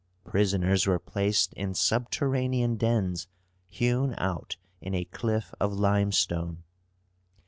Prisoners were placed in subterranean dens hewn out in a cliff of limestone.